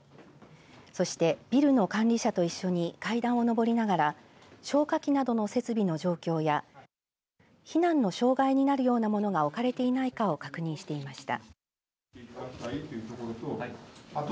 そして、ビルの管理者と一緒に階段をのぼりながら消火器などの設備の状況や避難の障害になるようなものが置かれていないかを確認していました。